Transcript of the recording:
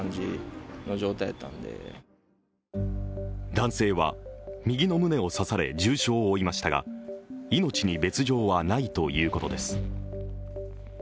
男性は右の胸を刺され、重傷を負いましたが、命に別状はないということです。